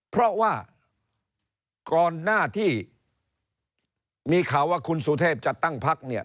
เพราะว่าก่อนหน้าที่มีข่าวว่าคุณสุเทพจะตั้งพักเนี่ย